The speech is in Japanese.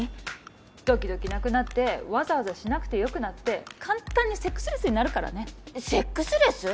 ドキドキなくなってわざわざしなくてよくなって簡単にセックスレスになるからねセックスレス？